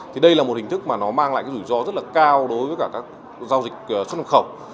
thì đây là một hình thức mà nó mang lại cái rủi ro rất là cao đối với cả các giao dịch xuất nhập khẩu